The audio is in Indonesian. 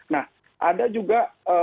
nah ada juga